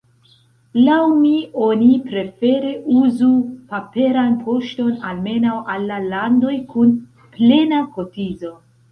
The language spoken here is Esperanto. Laŭ mi oni prefere uzu paperan poŝton, almenaŭ al la landoj kun “plena” kotizo.